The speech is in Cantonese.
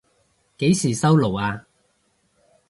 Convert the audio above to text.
幾時收爐啊？